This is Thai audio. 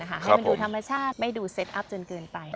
ให้มันดูธรรมชาติไม่ดูเซตอัพจนเกินไป